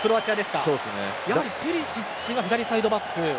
やはり、ペリシッチは左サイドバック。